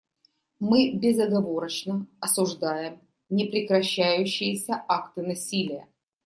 Мы безоговорочно осуждаем непрекращающиеся акты насилия.